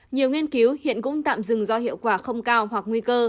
nhiều nghiên cứu hiện cũng tạm dừng do hiệu quả không cao hoặc nguy cơ